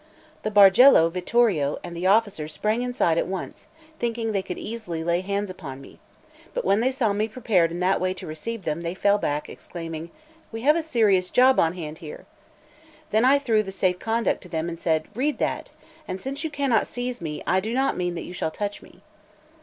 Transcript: The Bargello, Vittorio, and the officers sprang inside at once, thinking they could easily lay hands upon me; but when they saw me prepared in that way to receive them, they fell back, exclaiming: "We have a serious job on hand here!" Then I threw the safe conduct to them, and said: "Read that! and since you cannot seize me, I do not mean that you shall touch me."